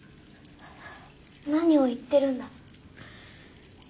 何を言ってるんだ。